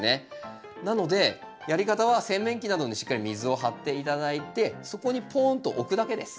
なのでやり方は洗面器などにしっかり水を張って頂いてそこにポーンと置くだけです。